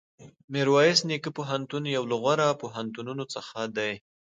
میرویس نیکه پوهنتون یو له غوره پوهنتونونو څخه دی.